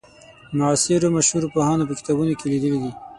معاصرو مشهورو پوهانو په کتابونو کې لیدلې.